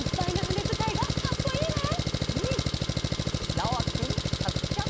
なおあきくんさつきちゃん。